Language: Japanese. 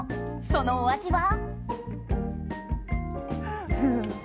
そのお味は？